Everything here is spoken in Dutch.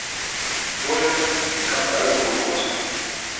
Voorzitter, ik kan buitengewoon kort zijn.